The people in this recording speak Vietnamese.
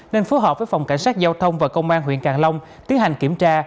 nên phối hợp với phòng cảnh sát giao thông và công an huyện càng long tiến hành kiểm tra